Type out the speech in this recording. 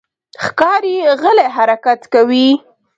ښکاري غلی حرکت کوي.